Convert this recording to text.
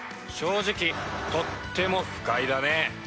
正直とっても不快だね